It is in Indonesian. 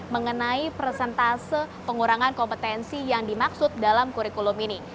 mengenai presentase pengurangan kompetensi yang dimaksud dalam kurikulum ini